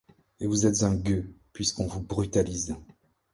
Et vous êtes un gueux, puisqu’on vous brutalise !